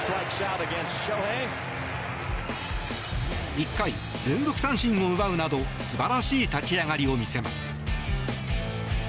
１回、連続三振を奪うなど素晴らしい立ち上がりを見せます。